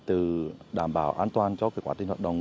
từ đảm bảo an toàn cho quả tin hoạt động